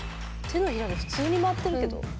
手のひらで普通に回ってるけど。